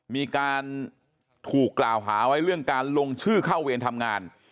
มีการถูกกล่าวหาไว้เรื่องการลงชื่อเข้าเวรทำงาน